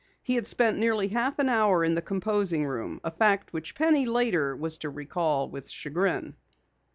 He had spent nearly a half hour in the composing room, a fact which Penny later was to recall with chagrin.